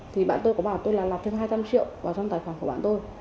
thì bạn tôi có bảo tôi là lập trên hai trăm linh triệu vào trong tài khoản của bạn tôi